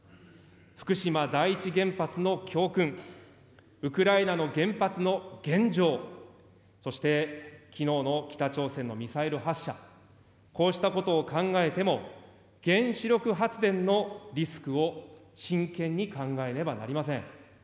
福島第一原発の教訓、ウクライナの原発の現状、そしてきのうの北朝鮮のミサイル発射、こうしたことを考えても原子力発電のリスクを真剣に考えねばなりません。